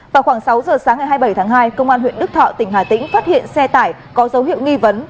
vào khoảng sáu giờ sáng ngày hai mươi bảy tháng hai công an huyện đức thọ tỉnh hà tĩnh phát hiện xe tải có dấu hiệu nghi vấn